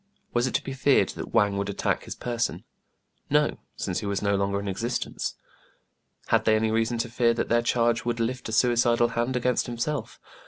Was it to be feared that Wang would attack his person ? No, since he was no longer in existence. Had they any reason to fear that their charge would lift a suicidal hand against himself.'